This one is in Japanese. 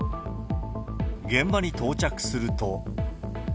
現場に到着すると。